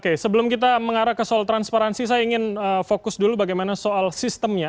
oke sebelum kita mengarah ke soal transparansi saya ingin fokus dulu bagaimana soal sistemnya